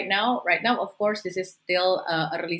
sekarang tentunya masih di tahap awal